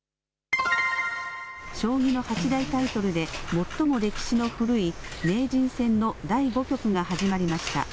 将棋の八大タイトルで最も歴史の古い名人戦の第５局が始まりました。